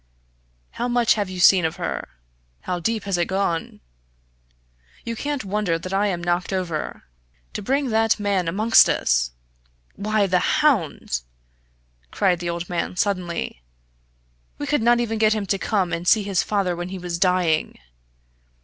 How much have you seen of her? how deep has it gone? You can't wonder that I am knocked over. To bring that man amongst us! Why, the hound!" cried the old man, suddenly, "we could not even get him to come and see his father when he was dying.